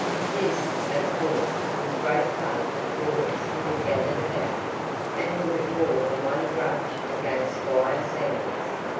This, of course, was great fun for the boys who had gathered about, and who had more than one grudge against Squire Sanders.